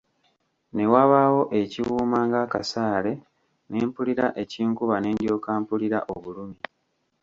Ne wabaawo ekiwuuma ng'akasaale, ne mpulira ekinkuba ne ndyoka mpulira obulumi.